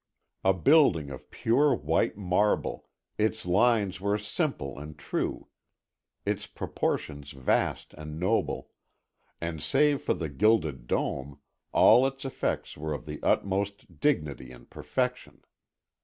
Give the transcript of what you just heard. A building of pure white marble, its lines were simple and true, its proportions vast and noble, and save for the gilded dome, all its effects were of the utmost dignity and perfection.